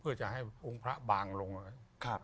เพื่อจะให้องค์พระบางลงเลย